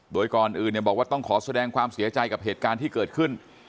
โดยก่อนอื่นบอกว่าต้องขอแสดงความเสียใจกับเหตุการณ์ที่เกิดขึ้น